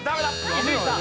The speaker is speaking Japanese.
伊集院さん。